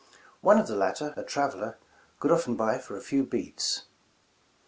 One of the latter, a traveler could often buy for a few beads.